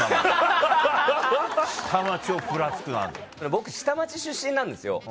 僕下町出身なんですよ。